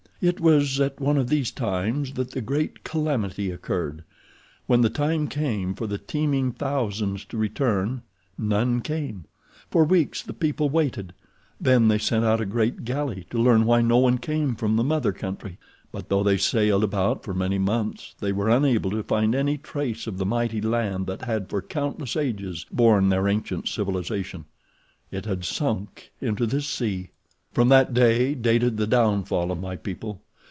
"It was at one of these times that the great calamity occurred. When the time came for the teeming thousands to return none came. For weeks the people waited. Then they sent out a great galley to learn why no one came from the mother country, but though they sailed about for many months, they were unable to find any trace of the mighty land that had for countless ages borne their ancient civilization—it had sunk into the sea. "From that day dated the downfall of my people.